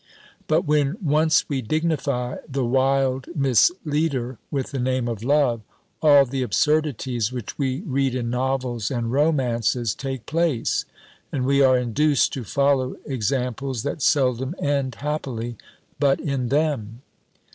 _ But when once we dignify the wild mis leader with the name of love, all the absurdities which we read in novels and romances take place, and we are induced to follow examples that seldom end happily but in _them.